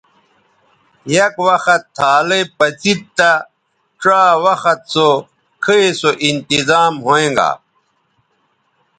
یک وخت تھالئ پڅید تہ ڇا وخت سو کھئ سو انتظام ھویں گا